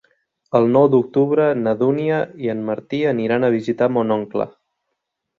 El nou d'octubre na Dúnia i en Martí aniran a visitar mon oncle.